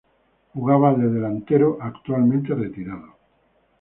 Jugaba de delantero actualmente retirado.